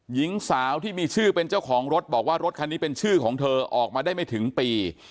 หญิงสาวที่มีชื่อเป็นเจ้าของรถบอกว่ารถคันนี้เป็นชื่อของเธอออกมาได้ไม่ถึงปี